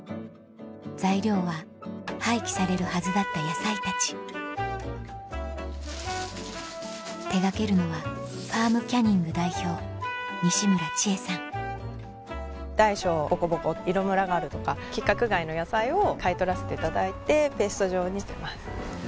材料は廃棄されるはずだった野菜たち手掛けるのは大小ボコボコ色むらがあるとか規格外の野菜を買い取らせていただいてペースト状にしてます。